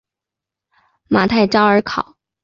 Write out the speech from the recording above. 马泰绍尔考。